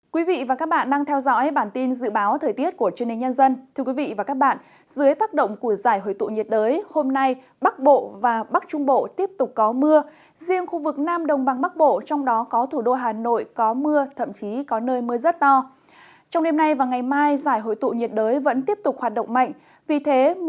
các bạn hãy đăng ký kênh để ủng hộ kênh của chúng mình nhé